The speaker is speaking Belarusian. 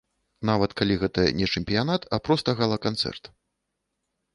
Нават калі гэта не чэмпіянат, а проста гала-канцэрт.